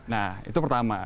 nah itu pertama